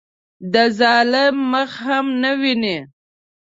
د ظالم مخ هم نه ویني.